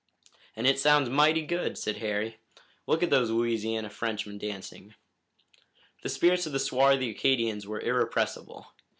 "And it sounds mighty good," said Harry. "Look at those Louisiana Frenchmen dancing." The spirits of the swarthy Acadians were irrepressible.